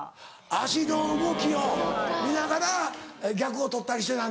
足の動きを見ながら逆を取ったりしてたんだ。